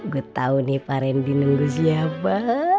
gue tahu nih pak randy nunggu siapa